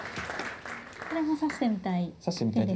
これも指してみたい。